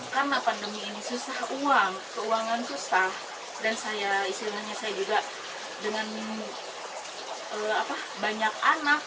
karena pandemi ini susah uang keuangan susah